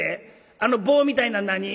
あの棒みたいなん何？」。